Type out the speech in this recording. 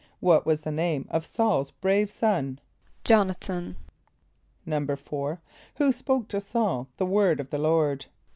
= What was the name of S[a:]ul's brave son? =J[)o]n´a than.= =4.= Who spoke to S[a:]ul the word of the Lord?